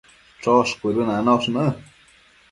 Chosh cuëdënanosh në